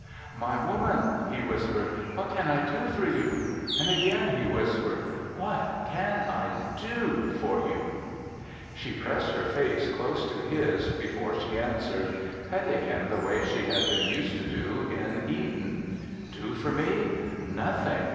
"My Woman," he whispered, "what can I do for you?" And again he whispered, "What can I do for you?" She pressed her face close to his before she answered, petting him the way she had been used to do in Eden. "Do for me? Nothing.